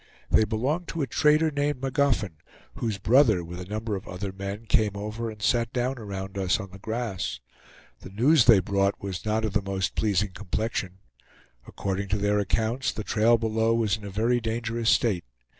They belonged to a trader named Magoffin, whose brother, with a number of other men, came over and sat down around us on the grass. The news they brought was not of the most pleasing complexion. According to their accounts, the trail below was in a very dangerous state.